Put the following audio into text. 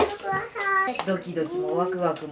ドキドキもワクワクもしたし。